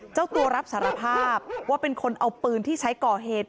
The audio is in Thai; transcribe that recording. เจ้าตัวรับสารภาพว่าเป็นคนเอาปืนที่ใช้ก่อเหตุ